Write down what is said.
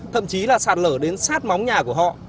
thậm chí là sạt lở đến sát móng nhà của họ